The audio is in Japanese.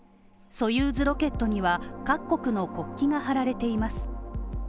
ソユーズロケットには各国の国旗が貼られています。